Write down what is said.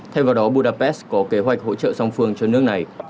thay vào đó budapest có kế hoạch hỗ trợ song phương cho nước này